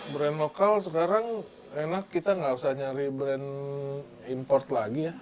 brand lokal sekarang enak kita nggak usah nyari brand import lagi ya